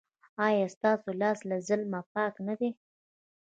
ایا ستاسو لاس له ظلم پاک نه دی؟